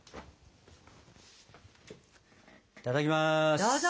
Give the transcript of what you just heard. いただきます！